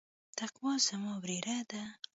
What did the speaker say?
تقوا زما وريره ده.